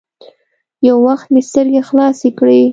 يو وخت مې سترګې خلاصې کړې.